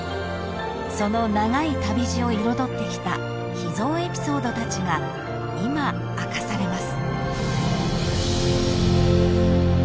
［その長い旅路を彩ってきた秘蔵エピソードたちが今明かされます］